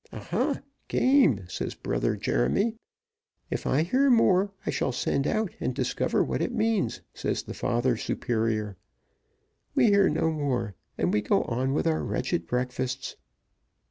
'Aha! game,' says Brother Jeremy. 'If I hear more, I shall send out and discover what it means,' says the father superior. We hear no more, and we go on with our wretched breakfasts."